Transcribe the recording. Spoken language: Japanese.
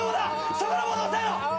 そこの棒で押さえろ！